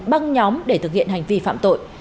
bắt nhóm để thực hiện hành vi phạm tội